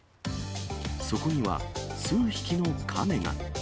そこには、数匹のカメが。